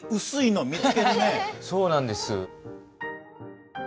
そうなんです。